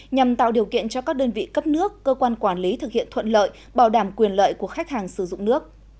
nhằm tạo điều kiện cho các đơn vị cấp nước cơ quan quản lý thực hiện thuận lợi bảo đảm quyền lợi của khách hàng sử dụng nước